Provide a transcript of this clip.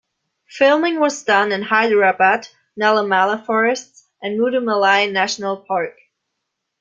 Filming was done in Hyderabad, Nallamala forests, and Mudumalai National Park.